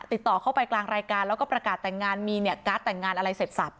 ติดต่อเข้าไปกลางรายการแล้วก็ประกาศแต่งงานมีเนี่ยการ์ดแต่งงานอะไรเสร็จสับ